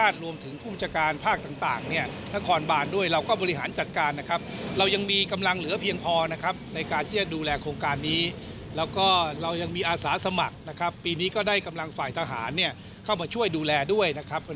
ต้องได้เสนอซากอาหารเข้ามาช่วยดูแลด้วย